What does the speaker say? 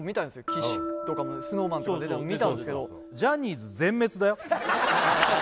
岸とかもＳｎｏｗＭａｎとか出たの見たんだけどジャニーズ全滅だよ